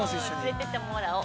◆連れていってもらおう。